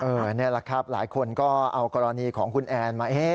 นี่แหละครับหลายคนก็เอากรณีของคุณแอนมา